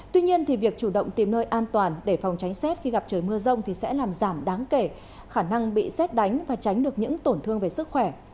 tuy nhiên việc chủ động tìm nơi an toàn để phòng tránh xét khi gặp trời mưa rông sẽ làm giảm đáng kể khả năng bị xét đánh và tránh được những tổn thương về sức khỏe